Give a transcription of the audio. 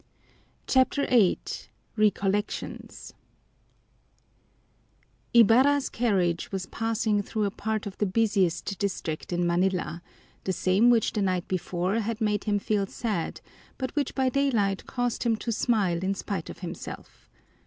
CHAPTER VIII Recollections Ibarra's carriage was passing through a part of the busiest district in Manila, the same which the night before had made him feel sad, but which by daylight caused him to smile in spite of himself.